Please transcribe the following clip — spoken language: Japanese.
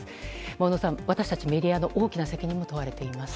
小野さん、私たちメディアの大きな責任も問われています。